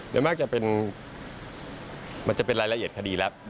โดยมากจะเป็นมันจะเป็นรายละเอียดคดีแล้ว